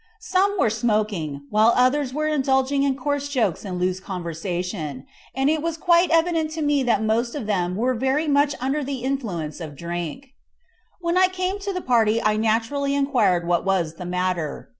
Some were smoking, while others were indulging in coarse jokes and loose conversation, and it was quite evident to me that most of them were very much under the influence of drink. When I came up to the party I naturally inquired what was the matter.